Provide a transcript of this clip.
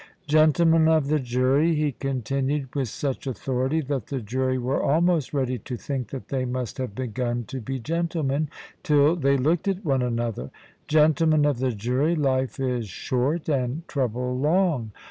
"Gentlemen of the jury," he continued with such authority, that the jury were almost ready to think that they must have begun to be gentlemen till they looked at one another; "gentlemen of the jury, life is short, and trouble long.